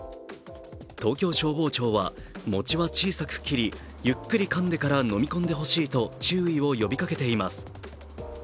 東京消防庁は餅は小さく切りゆっくりかんでから飲み込んでほしいと注意を呼びかけています。